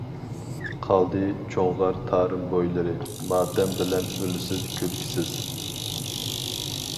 قالدى جۇڭغار تارىم بويلىرى، ماتەم بىلەن ئۈنسىز كۈلكىسىز.